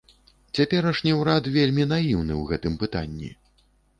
Цяперашні ўрад вельмі наіўны ў гэтым пытанні.